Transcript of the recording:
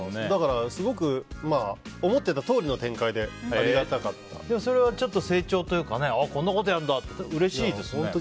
だから、すごく思っていたとおりの展開でそれはちょっと成長というかあ、こんなことやるんだってうれしいですよね。